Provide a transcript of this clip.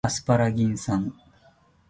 アスパラギン酸